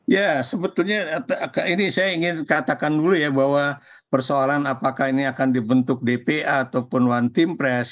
ya sebetulnya ini saya ingin katakan dulu ya bahwa persoalan apakah ini akan dibentuk dpa ataupun one team press